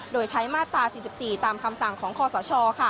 โดยใช้มาตรา๔๔ตามคำสั่งของคอสช